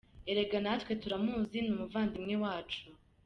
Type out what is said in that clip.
Erega natwe turamuzi, ni umuvandimwe wacu!